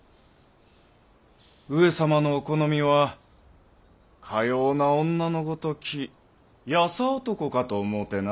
上様のお好みはかような女のごとき優男かと思ってな。